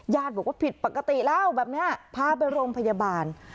บอกว่าผิดปกติแล้วแบบนี้พาไปโรงพยาบาล